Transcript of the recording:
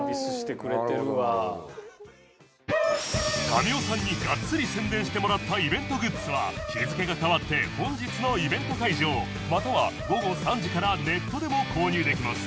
民生さんにがっつり宣伝してもらったイベントグッズは日付が変わって本日のイベント会場または午後３時からネットでも購入できます